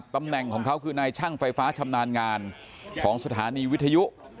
ตำแหน่งของเขาคือนายช่างไฟฟ้าชำนาญงานของสถานีวิทยุ